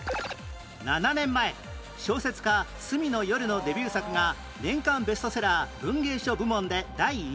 ７年前小説家住野よるのデビュー作が年間ベストセラー文芸書部門で第１位に